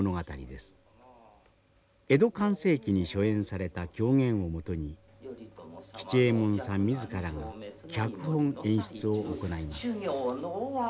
江戸寛政期に初演された狂言をもとに吉右衛門さん自らが脚本演出を行います。